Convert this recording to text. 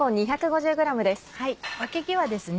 わけぎはですね